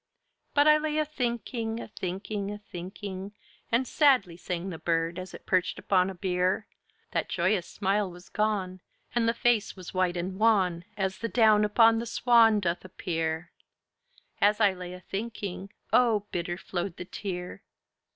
But I laye a thynkynge, a thynkynge, a thynkynge, And sadly sang the Birde as it perched upon a bier; That joyous smile was gone, And the face was white and wan, As the downe upon the Swan Doth appear, As I laye a thynkynge, oh! bitter flowed the tear!